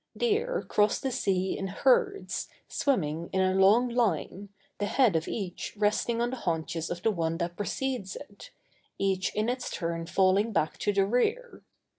Deer cross the sea in herds, swimming in a long line, the head of each resting on the haunches of the one that precedes it, each in its turn falling back to the rear.